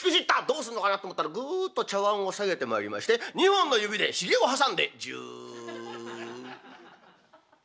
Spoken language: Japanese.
どうすんのかなと思ったらぐっと茶わんを下げてまいりまして２本の指でひげを挟んでジュッ。